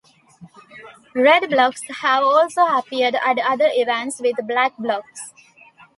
Red Blocs have also appeared at other events with Black Blocs.